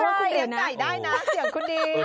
ว่าคุณเลี้ยงไก่ได้นะเสียงคุณดี